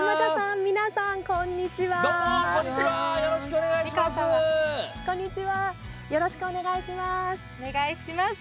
よろしくお願いします。